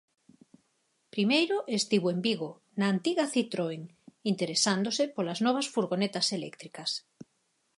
Primeiro estivo en Vigo, na antiga Citroen, interesándose polas novas furgonetas eléctricas.